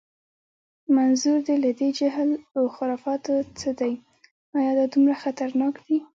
منظور دې له دې جهل و خرافاتو څه دی؟ ایا دا دومره خطرناک دي؟